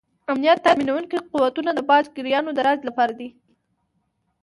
امنیت تامینونکي قوتونه د باج ګیرانو د راج لپاره دي.